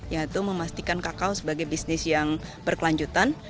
yaitu memastikan kakao sebagai bisnis yang berkelanjutan